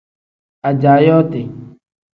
Ajaa yooti.